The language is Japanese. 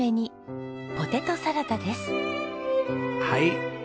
はい。